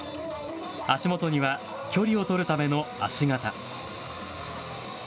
足元には距離を取るための足形。